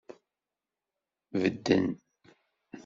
Bedden.